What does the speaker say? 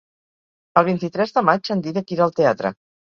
El vint-i-tres de maig en Dídac irà al teatre.